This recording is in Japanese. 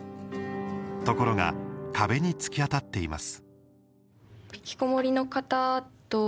ところが壁に突き当たっています。